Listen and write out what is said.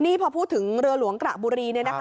นี่พอพูดถึงเรือหลวงกระบุรีเนี่ยนะคะ